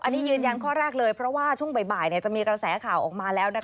อันนี้ยืนยันข้อแรกเลยเพราะว่าช่วงบ่ายจะมีกระแสข่าวออกมาแล้ว